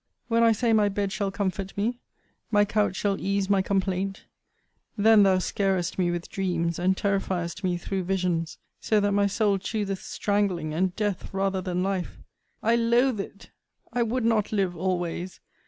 When I say my bed shall comfort me; my couch shall ease my complaint; Then thou scarest me with dreams, and terrifiest me through visions. So that my soul chooseth strangling, and death rather than life. I loath it! I would not live always!